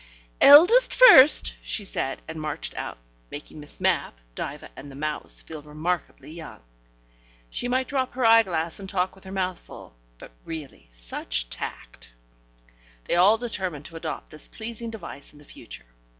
"Eldest first," she said, and marched out, making Miss Mapp, Diva and the mouse feel remarkably young. She might drop her eyeglass and talk with her mouth full, but really such tact. ... They all determined to adopt this pleasing device in the future.